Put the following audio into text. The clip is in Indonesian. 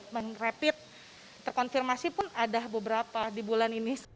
merepit terkonfirmasi pun ada beberapa di bulan ini